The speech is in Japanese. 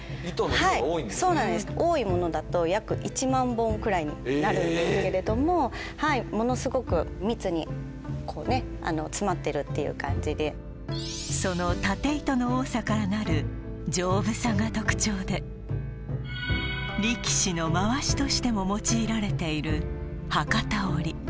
はいそうなんです多いものだと約１万本くらいになるんですけれどもものすごく密に詰まってるっていう感じでその経糸の多さからなる丈夫さが特徴で力士のまわしとしても用いられている博多織